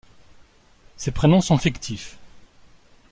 Ces prénoms sont fictifs.